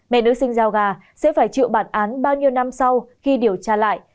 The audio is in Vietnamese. mẹ nữ sinh giao gà sẽ phải chịu bản án bao nhiêu năm sau khi điều tra lại